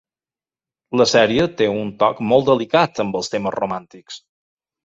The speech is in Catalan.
La sèrie té un toc molt delicat amb els temes romàntics.